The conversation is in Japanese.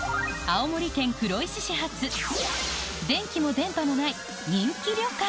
青森県黒石市発、電気も電波もない人気旅館。